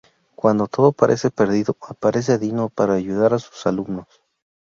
Cuando todo parece perdido, aparece Dino, para ayudar a sus alumnos.